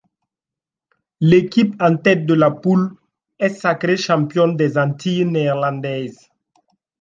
L'équipe en tête de la poule est sacrée championne des Antilles néerlandaises.